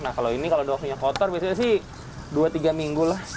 nah kalau ini kalau dok yang kotor biasanya sih dua tiga minggu lah